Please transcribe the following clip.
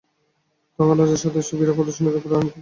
তখন রাজা সাতিশয় বিরাগ প্রদর্শনপূর্বক রাণীকে সেই ফল দেখাইলেন।